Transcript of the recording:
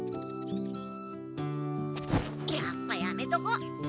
やっぱやめとこ。